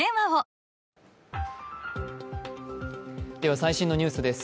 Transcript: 最新のニュースです。